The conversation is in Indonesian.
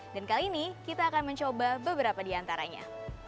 dan kali ini kita akan mencoba beberapa di antaranya